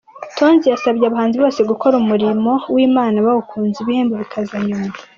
Tonzi yasabye abahanzi bose gukora umurimo w'Imana bawukunze, ibihembo bikaza nyuma.